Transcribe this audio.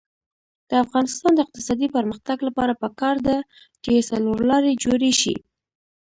د افغانستان د اقتصادي پرمختګ لپاره پکار ده چې څلورلارې جوړې شي.